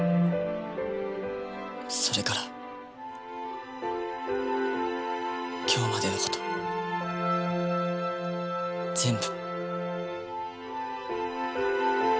それから今日までの事全部。